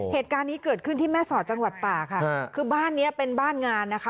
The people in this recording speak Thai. เหตุการณ์นี้เกิดขึ้นที่แม่สอดจังหวัดตาค่ะคือบ้านเนี้ยเป็นบ้านงานนะคะ